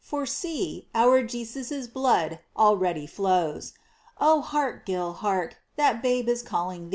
For see, our Jesus' blood already flows ! Oh hark, Gil, hark, that Babe is calling thee